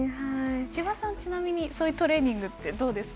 千葉さん、ちなみにそういうトレーニングってどうですか。